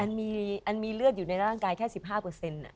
มันมีเลือดอยู่ในร่างกายแค่๑๕